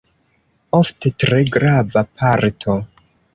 Ofte tre grava parto.